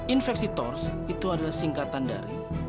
infeksi tors itu adalah singkatan dari